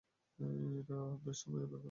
এটা ব্যস সময়ের ব্যাপার।